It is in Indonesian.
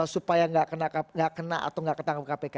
supaya gak kena atau gak ketangkap kpk